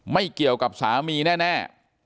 ไม่เกี่ยวกับสามีแน่